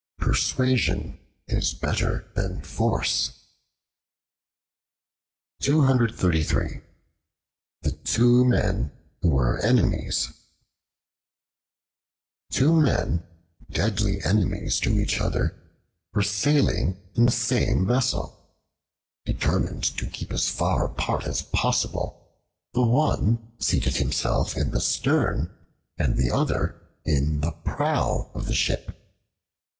Persuasion is better than Force. The Two Men Who Were Enemies TWO MEN, deadly enemies to each other, were sailing in the same vessel. Determined to keep as far apart as possible, the one seated himself in the stem, and the other in the prow of the ship.